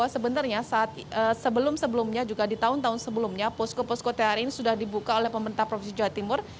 sebenarnya sebelum sebelumnya juga di tahun tahun sebelumnya posko posko tri ini sudah dibuka oleh pemerintah provinsi jawa timur